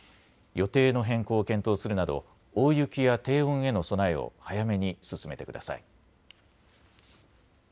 予定の変更を検討するなど大雪や低温への備えを早めに進めてください。